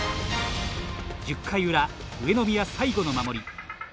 １０回裏上宮最後の守り。